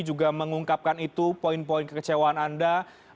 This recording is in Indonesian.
juga mengungkapkan itu poin poin kekecewaan anda